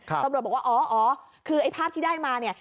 ตำรวจบอกว่าอ๋ออ๋อคือไอ้ภาพที่ได้มาเนี่ย